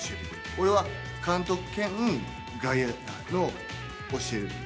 俺は監督兼外野を教える。